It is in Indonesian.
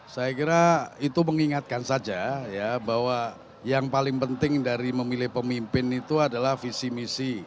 saya kira itu mengingatkan saja ya bahwa yang paling penting dari memilih pemimpin itu adalah visi misi